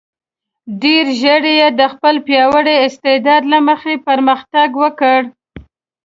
ډېر ژر یې د خپل پیاوړي استعداد له مخې پرمختګ وکړ.